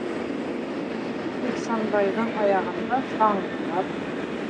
Ихсанбайҙың аяғында - саңғылар.